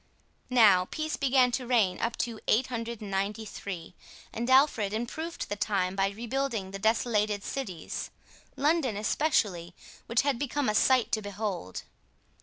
Now peace began to reign up to 893, and Alfred improved the time by rebuilding the desolated cities, London especially, which had become a sight to behold.